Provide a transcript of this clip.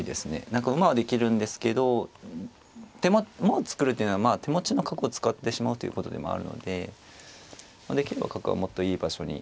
何か馬はできるんですけど馬を作るっていうのは手持ちの角を使ってしまうということでもあるのでできれば角はもっといい場所に。